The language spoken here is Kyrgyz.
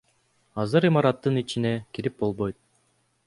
Азыр имараттын ичине кирип болбойт.